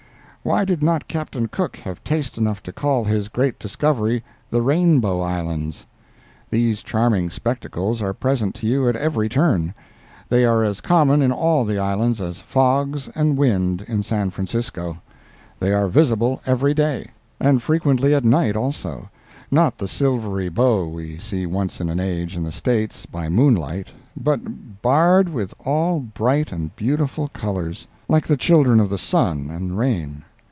Why did not Captain Cook have taste enough to call his great discovery the Rainbow Islands? These charming spectacles are present to you at every turn; they are as common in all the islands as fogs and wind in San Francisco; they are visible every day, and frequently at night also—not the silvery bow we see once in an age in the States, by moonlight, but barred with all bright and beautiful colors, like the children of the sun and rain.